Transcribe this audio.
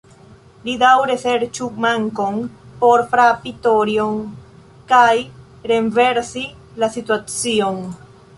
Li daŭre serĉu mankon por frapi "tori"-on, kaj renversi la situacion.